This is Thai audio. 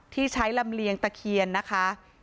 ที่ใช้ลำเลียงตะเคียนนะคะ